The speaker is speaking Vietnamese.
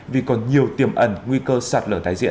vì còn nhiều tiềm ẩn nguy cơ sạt lở